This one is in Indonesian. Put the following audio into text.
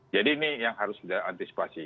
jadi ini yang harus diantisipasi